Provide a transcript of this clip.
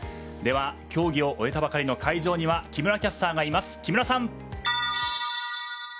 では競技を終えたばかりの会場には木村キャスターがいます。